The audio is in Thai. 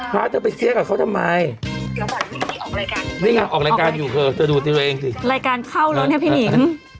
ฮัทจะไปเชียร์กับเขาทำไมออกรายการอยู่เถอะเธอดูตัวเองสิรายการเข้าแล้วนะพี่หนิง